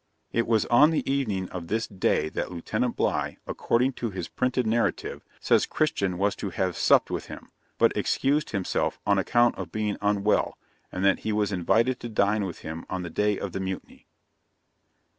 It was on the evening of this day that Lieutenant Bligh, according to his printed narrative, says Christian was to have supped with him; but excused himself on account of being unwell; and that he was invited to dine with him on the day of the mutiny.